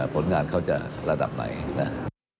ผลงานเขาจะระดับไหนนะครับ